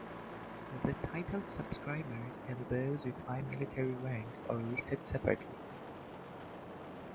The titled subscribers and those with high military ranks are listed separately.